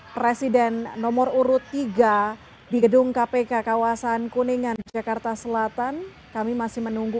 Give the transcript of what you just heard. presiden nomor urut tiga di gedung kpk kawasan kuningan jakarta selatan kami masih menunggu